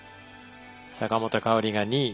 坂本花織が２位。